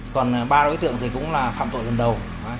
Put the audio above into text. còn ba đối tượng thì cũng là phạm tội lần đầu